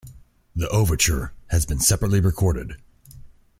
The overture has been separately recorded.